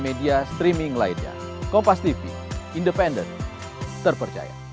sebagai kunstitusi bigger enti mimpu